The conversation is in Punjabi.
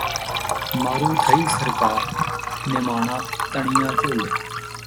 ਮਾਰੂ ਥਈ ਸਰਕਾਰ ਨਿਮਾਣਾ ਤਣੀਆਂ ਝੋਲੇ